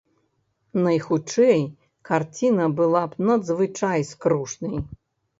Найхутчэй, карціна была б надзвычай скрушнай.